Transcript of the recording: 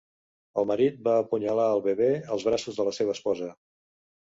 El marit va apunyalar al bebè als braços de la seva esposa.